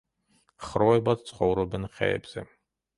ხროვებად ცხოვრობენ ხეებზე.